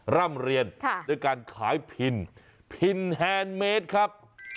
ร่ำเรียนด้วยการขายพินพินแฮนด์เมดครับ